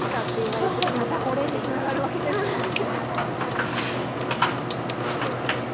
またこれ？につながるわけですもんね。